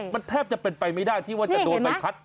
มันแทบจะเป็นไปไม่ได้ที่ว่าจะโดนใบพัด